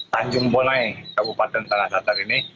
tanjung bonai kabupaten tanah datar ini